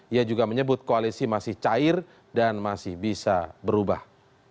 ia juga menyebut koalisi masih cair dan masih bisa berubah